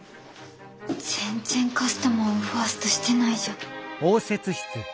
全然カスタマーをファーストしてないじゃん。